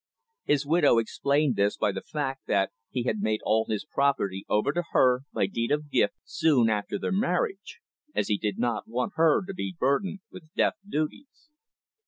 His widow explained this by the fact that he had made all his property over to her, by deed of gift, soon after their marriage, as he did not want her to be burdened with death duties.